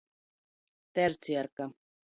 Terciarka.